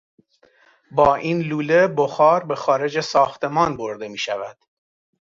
با این لوله بخار به خارج ساختمان برده میشود.